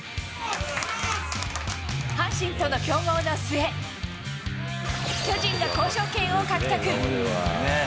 阪神との競合の末、巨人が交渉権を獲得。